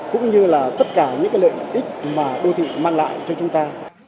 cũng như là tất cả những lợi ích mà đô thị mang lại cho chúng ta